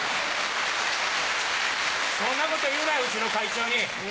そんなこと言うなようちの会長に。